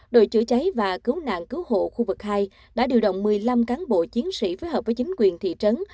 đội chữa cháy và cứu nạn cứu hộ khu vực hai đã điều động một mươi năm cán bộ chiến sĩ phối hợp với chính quyền thị trấn